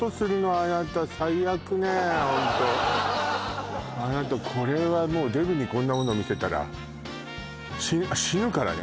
あなた最悪ねホントあなたこれはもうデブにこんなもの見せたら死ぬからね